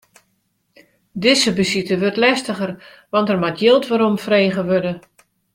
Dizze besite wurdt lestiger, want der moat jild weromfrege wurde.